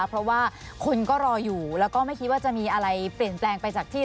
เพราะว่าคนก็รออยู่แล้วก็ไม่คิดว่าจะมีอะไรเปลี่ยนแปลงไปจากที่